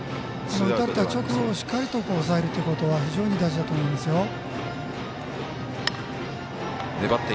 打たれて直後しっかりと抑えるということは非常に大事だと思いますよ。